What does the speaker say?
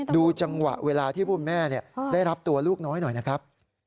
ดูจังหวะเวลาที่ผู้เป็นแม่ได้รับตัวลูกน้อยหน่อยนะครับ